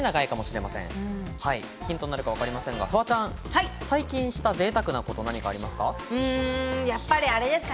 ヒントになるかわかりませんが、フワちゃん、最近した贅沢なことは何ですか？